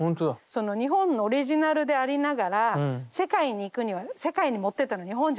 その日本のオリジナルでありながら世界に行くには世界に持ってったの日本じゃないんですよ。